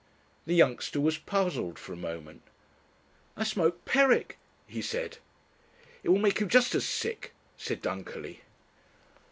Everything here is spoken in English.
The youngster was puzzled for a moment. "I smoke Perique," he said. "It will make you just as sick," said Dunkerley.